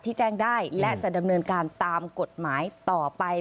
แจ้งได้และจะดำเนินการตามกฎหมายต่อไป